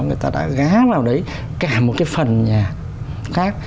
người ta đã gá vào đấy cả một cái phần nhà khác